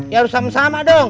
ya harus sama sama dong